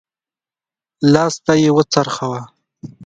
لاستی يې وڅرخوه.